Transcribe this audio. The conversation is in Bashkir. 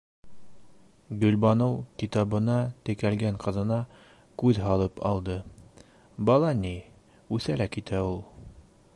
- Гөлбаныу китабына текәлгән ҡыҙына күҙ һалып алды, - бала ни... үҫә лә китә ул.